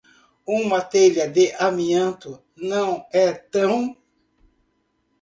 Uma telha de amianto não é tão